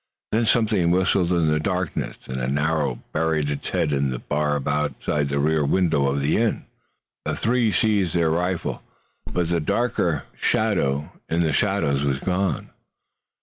Then something whistled in the darkness, and an arrow buried to the head of the barb stood out in the rear wall of the inn. The three seized their rifles, but the darker shadow in the shadows was gone.